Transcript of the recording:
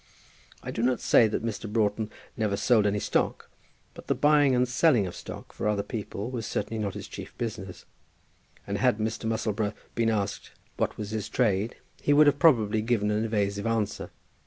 I do not say that Mr. Broughton never sold any stock; but the buying and selling of stock for other people was certainly not his chief business. And had Mr. Musselboro been asked what was his trade, he would have probably given an evasive answer.